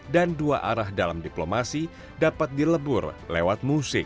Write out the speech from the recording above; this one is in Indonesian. dan dua arah dalam diplomasi dapat dilebur lewat musik